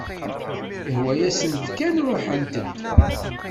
Ihwa-yasent kan ruḥent-d.